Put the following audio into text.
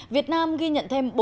việt nam ghi nhận thêm